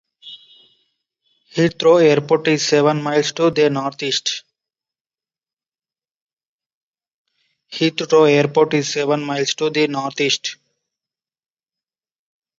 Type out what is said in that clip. Heathrow Airport is seven miles to the north-east.